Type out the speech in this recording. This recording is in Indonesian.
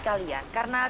saya sudah mencoba